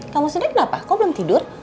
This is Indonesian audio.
kamu sedih kenapa kok belum tidur